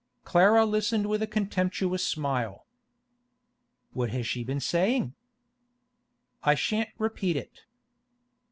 Clara listened with a contemptuous smile. 'What has she been saying?' 'I shan't repeat it.